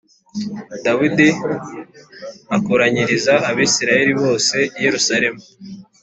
dawidi akoranyiriza abisirayeli bose i yerusalemu